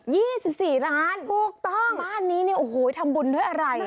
ี่สิบสี่ล้านถูกต้องบ้านนี้เนี่ยโอ้โหทำบุญด้วยอะไร